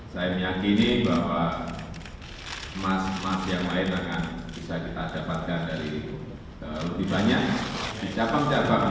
saya meyakini bahwa emas emas yang lain akan bisa kita dapatkan dari lebih banyak di cabang cabang